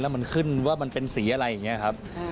มันขึ้นว่ามันเป็นสีอะไรอย่างนี้ครับ